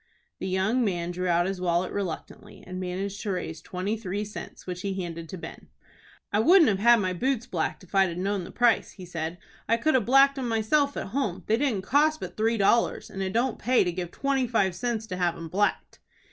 The young man drew out his wallet reluctantly, and managed to raise twenty three cents, which he handed to Ben. "I wouldn't have had my boots blacked, if I'd known the price," he said. "I could have blacked 'em myself at home. They didn't cost but three dollars, and it don't pay to give twenty five cents to have 'em blacked."